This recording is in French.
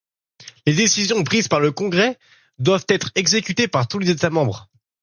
Les décisions prises par le congrès doivent être exécutées par tous les états membres.